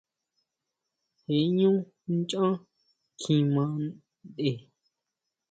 Je ʼñú nchán kjima tʼen.